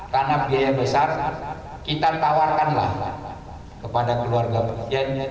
karena biaya besar kita tawarkanlah kepada keluarga pasien